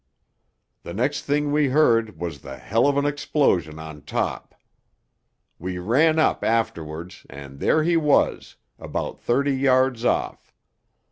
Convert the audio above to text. The next thing we heard was the hell of an explosion on top. We ran up afterwards, and there he was, about thirty yards off....